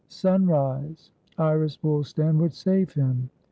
Sunrise! Iris Woolstan would save him.